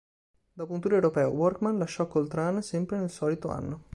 Dopo un tour europeo, Workman lasciò Coltrane sempre nel solito anno.